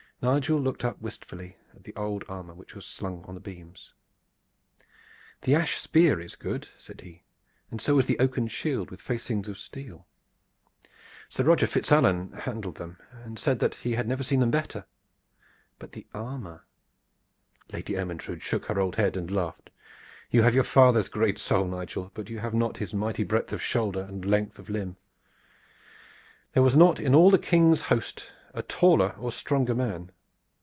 Nigel looked up wistfully at the old armor which was slung on the beams above him. "The ash spear is good," said he, "and so is the oaken shield with facings of steel. Sir Roger FitzAlan handled them and said that he had never seen better. But the armor " Lady Ermyntrude shook her old head and laughed. "You have your father's great soul, Nigel, but you have not his mighty breadth of shoulder and length of limb. There was not in all the King's great host a taller or a stronger man.